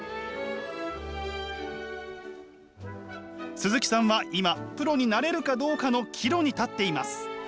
鈴木さんは今プロになれるかどうかの岐路に立っています。